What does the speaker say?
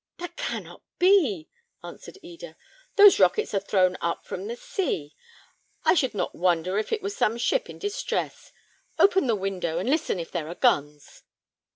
"That cannot be," answered Eda. "Those rockets are thrown up from the sea. I should not wonder if it was some ship in distress. Open the window, and listen if there are guns."